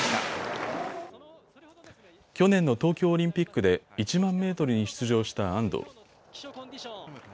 去年の東京オリンピックで１万メートルに出場した安藤。